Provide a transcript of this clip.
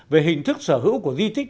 về hình thức sở hữu của di tích